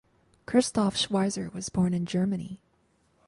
Christoph Schweizer was born in Germany.